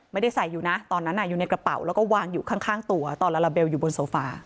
ไม่ได้ใส่อยู่นะตอนนั้นอยู่ในกระเป๋าแล้วก็วางอยู่ข้างตัวตอนลาลาเบลอยู่บนโซฟา